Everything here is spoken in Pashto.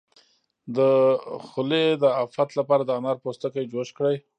د خولې د افت لپاره د انار پوستکی جوش کړئ